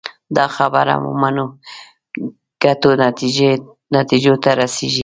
دا خبره ومنو ګڼو نتیجو ته رسېږو